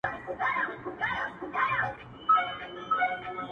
غنمرنگو کي سوالگري پيدا کيږي